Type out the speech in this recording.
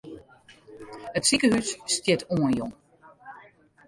It sikehús stiet oanjûn.